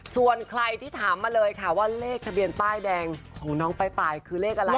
ส่วนใครที่ถามมาเลยค่ะว่าเลขทะเบียนป้ายแดงของน้องป้ายคือเลขอะไร